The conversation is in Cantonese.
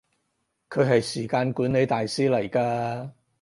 佢係時間管理大師嚟㗎